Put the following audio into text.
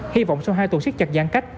hy vọng sau hai tuần siết chặt giãn cách